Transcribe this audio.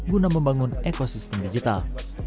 guna membangun ekosistem digital